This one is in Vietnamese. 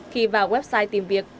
khi vào website tìm việc